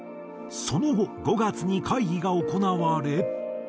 その後５月に会議が行われ。